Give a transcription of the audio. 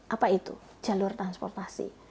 apa itu jalur transportasi